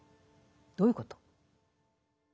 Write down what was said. どういうこと？